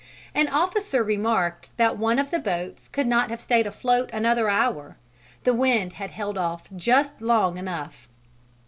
An officer remarked that one of the boats could not have stayed afloat another hour: the wind had held off just long enough.